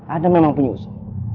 ada memang penyusup